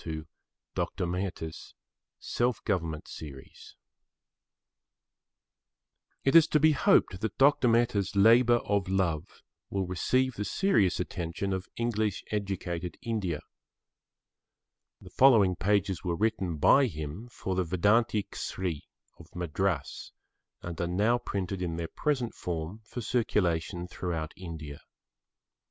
[Pg 8] VERNACULARS AS MEDIA OF INSTRUCTION It is to be hoped that Dr. Mehta's labour of love will receive the serious attention of English educated India. The following pages were written by him for the Vedanta Kesari of Madras and are now printed in their present form for circulation throughout India.